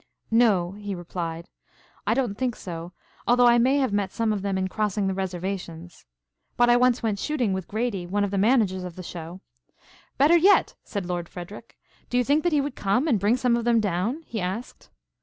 "No," he replied, "I don't think so, although I may have met some of them in crossing the reservations. But I once went shooting with Grady, one of the managers of the show." "Better yet!" said Lord Frederic. "Do you think that he would come and bring some of them down?" he asked.